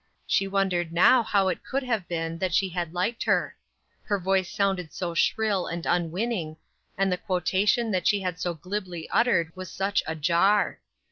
She wondered now how it could have been that she had liked her! Her voice sounded so shrill and unwinning, and the quotation that she so glibly uttered was such a jar.